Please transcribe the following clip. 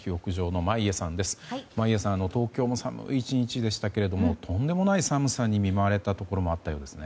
眞家さん東京も寒い１日でしたけどもとんでもない寒さに見舞われたところもあったそうですね。